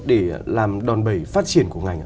để làm đòn bẩy phát triển của ngành